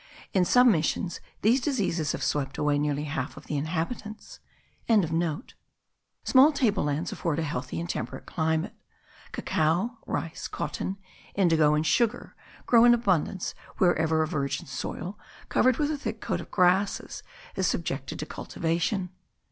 In some missions these diseases have swept away nearly half of the inhabitants.) Small table lands afford a healthy and temperate climate. Cacao, rice, cotton, indigo, and sugar grow in abundance wherever a virgin soil, covered with a thick coat of grasses, is subjected to cultivation.